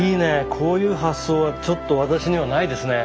こういう発想はちょっと私にはないですね。